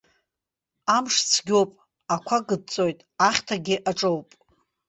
Амш цәгьоуп, ақәа кыдҵәоит, ахьҭагьы аҿоуп.